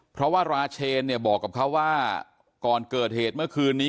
เพราะว่าราเชนเนี่ยบอกกับเขาว่าก่อนเกิดเหตุเมื่อคืนนี้